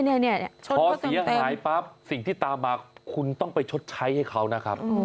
พอเสียหายปั๊บสิ่งที่ตามมาคุณต้องไปชดใช้ให้เขานะครับ